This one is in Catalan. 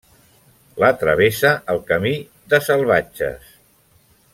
La travessa el Camí de Salvatges.